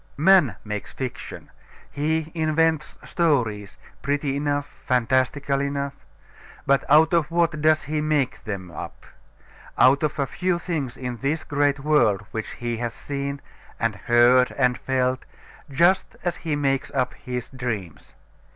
Man makes fiction: he invents stories, pretty enough, fantastical enough. But out of what does he make them up? Out of a few things in this great world which he has seen, and heard, and felt, just as he makes up his dreams.